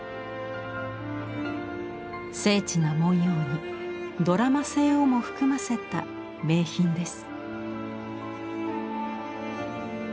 精緻な文様にドラマ性をも含ませた名品です。